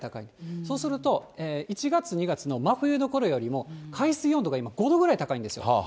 そうすると、１月、２月の真冬のころよりも、海水温度が今、５度ぐらい高いんですよ。